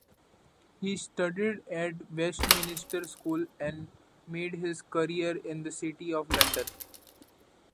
He studied at Westminster School, and made his career in the City of London.